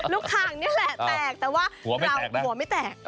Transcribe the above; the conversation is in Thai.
คางนี่แหละแตกแต่ว่าเราหัวไม่แตก